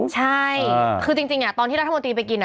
ใช่คือจริงตอนที่รัฐมนตรีไปกิน